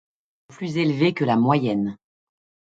Les taux de radiation sont plus élevés que la moyenne.